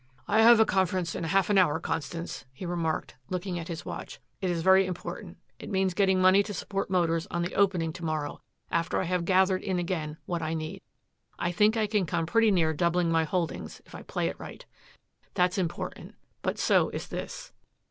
"I have a conference in half an hour, Constance," he remarked, looking at his watch. "It is very important. It means getting money to support Motors on the opening to morrow after I have gathered in again what I need. I think I can come pretty near doubling my holdings if I play it right. That's important. But so is this."